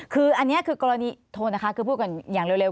คืออันนี้คือกรณีโทษนะคะคือพูดกันอย่างเร็ว